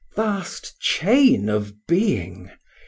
Vast chain of being!